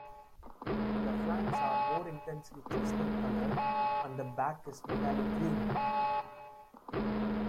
The flanks are more intensely chestnut colored and the back is metallic green.